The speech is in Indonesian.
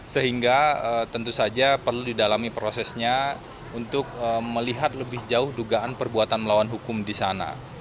sehingga tentu saja perlu didalami prosesnya untuk melihat lebih jauh dugaan perbuatan melawan hukum di sana